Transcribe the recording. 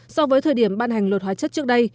so với thời điểm ban hành luật hóa chất trước đây